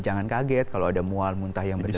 jangan kaget kalau ada mual muntah yang besar